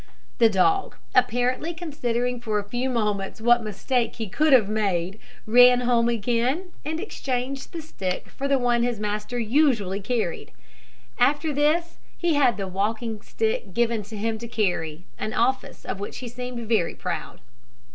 The dog, apparently considering for a few moments what mistake he could have made, ran home again, and exchanged the stick for the one his master usually carried. After this, he had the walking stick given him to carry, an office of which he seemed very proud.